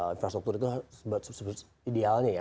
infrastruktur itu idealnya ya